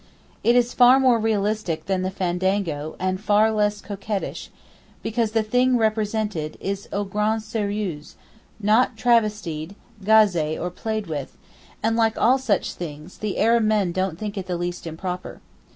It is far more realistic than the 'fandango,' and far less coquettish, because the thing represented is au grande sérieux, not travestied, gazé, or played with; and like all such things, the Arab men don't think it the least improper.